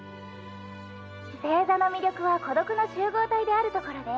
星座の魅力は孤独の集合体であるところで。